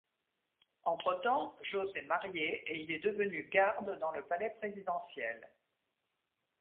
Entre temps, Joe s’est marié et il est devenu garde dans le palais présidentiel.